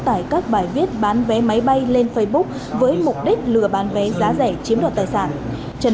tải các bài viết bán vé máy bay lên facebook với mục đích lừa bán vé giá rẻ chiếm đoạt tài sản trần